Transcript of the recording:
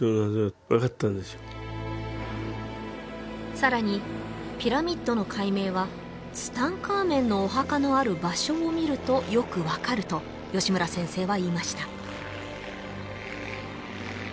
さらにピラミッドの解明はツタンカーメンのお墓のある場所を見るとよくわかると吉村先生は言いました